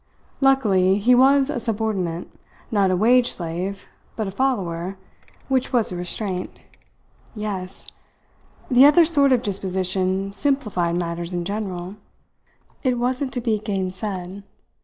Luckily he was a subordinate, not a wage slave but a follower which was a restraint. Yes! The other sort of disposition simplified matters in general; it wasn't to be gainsaid.